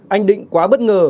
anh định quá bất ngờ